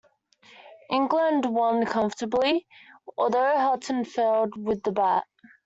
England won comfortably, although Hutton failed with the bat.